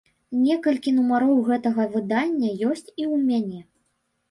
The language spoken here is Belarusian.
Некалькі нумароў гэтага выдання ёсць і ў мяне.